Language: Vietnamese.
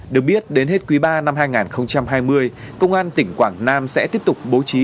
được biết đến hết quý ba năm hai nghìn hai mươi công an tỉnh quảng nam sẽ tiếp tục bố trí